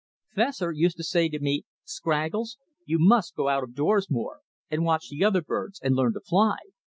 Fessor used to say to me: "Scraggles, you must go out of doors more, and watch the other birds and learn to fly.